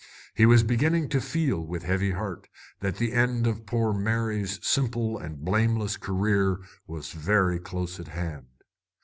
He was beginning to feel, with a heavy heart, that the end of poor Mary's simple and blameless career was very close at hand.